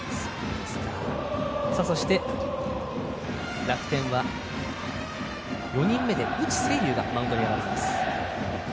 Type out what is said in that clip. そして、楽天は４人目で内星龍がマウンドに上がります。